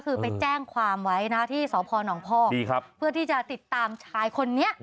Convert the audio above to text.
คือไปแจ้งความไว้นะที่สพนพอกเพื่อที่จะติดตามชายคนนี้